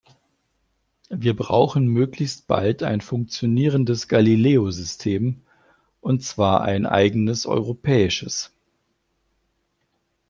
Wir brauchen möglichst bald ein funktionierendes Galileo-System und zwar ein eigenes europäisches.